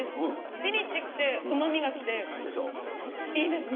ぴりってきて、うまみがきて、いいですね。